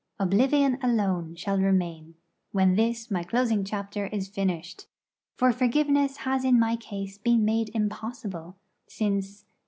Oblivion alone shall remain when this my closing chapter is finished; for forgiveness has in my case been made impossible, since.